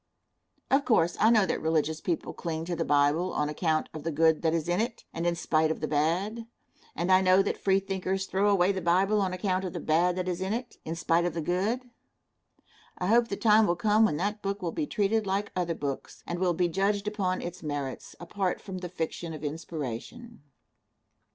Of course, I know that religious people cling to the Bible on account of the good that is in it, and in spite of the bad, and I know that Freethinkers throw away the Bible on account of the bad that is in it, in spite of the good. I hope the time will come when that book will be treated like other books, and will be judged upon its merits, apart from the fiction of inspiration.